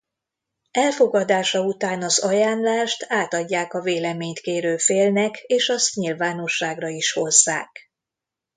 Elfogadása után az ajánlást átadják a véleményt kérő félnek és azt nyilvánosságra is hozzák.